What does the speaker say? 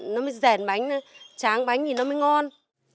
nó mới rèn bánh tráng bánh thì nó mới ngon